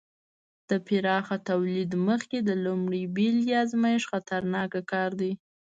د پراخه تولید مخکې د لومړنۍ بېلګې ازمېښت خطرناک کار دی.